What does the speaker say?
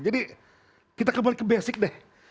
jadi kita kembali ke basic deh